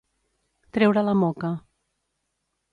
Treure la moca.